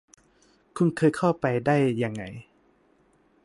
คุณเคยเข้าไปได้ยังไง